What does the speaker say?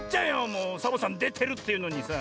もうサボさんでてるっていうのにさ。